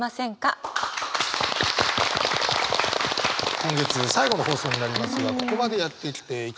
今月最後の放送になりますがここまでやってきていかがでしょうか？